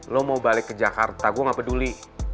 lo mau balik ke jakarta gue gak peduli